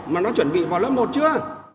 mà nó chuẩn bị vào lớp một chưa